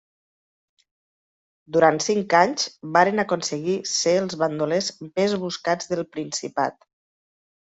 Durant cinc anys varen aconseguir ser els bandolers més buscats del Principat.